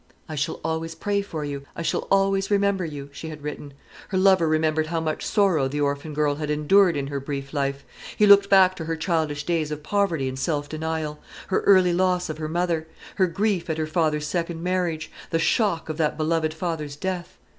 "I shall always pray for you; I shall always remember you," she had written. Her lover remembered how much sorrow the orphan girl had endured in her brief life. He looked back to her childish days of poverty and self denial; her early loss of her mother; her grief at her father's second marriage; the shock of that beloved father's death.